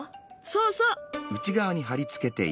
そうそう。